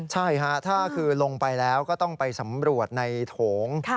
ใช่ค่ะถ้าคือลงไปแล้วก็ต้องไปสำรวจในโถง